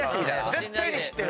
絶対に知ってる。